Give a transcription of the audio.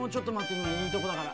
いまいいとこだから。